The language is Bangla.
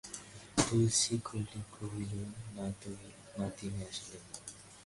তুলসী কহিল, না, তিনি আসিলেন না।